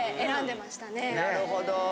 なるほど。